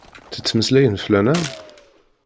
Ttettmeslayem fell-aneɣ?